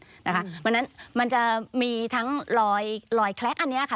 เพราะฉะนั้นมันจะมีทั้งรอยแคละอันนี้ค่ะ